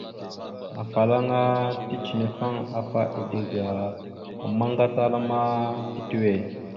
Afalaŋa ticənefaŋ afa eɗe ga ammaŋ gatala ma titəwe.